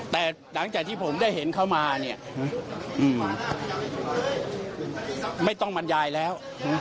แต่หลังจากที่ผมได้เห็นเข้ามาเนี่ยไม่ต้องบรรยายแล้ว